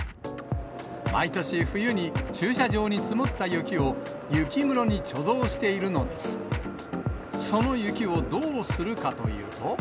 毎年、冬に駐車場に積もった雪を、雪室に貯蔵しているのです。